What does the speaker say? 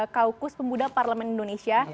kaukus pemuda parlemen indonesia